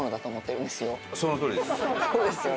そうですよね。